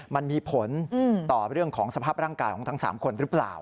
มันมีผลต่อเรื่องของสภาพร่างกายของทั้ง๓คนหรือเปล่า